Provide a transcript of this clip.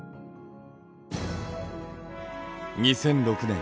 ２００６年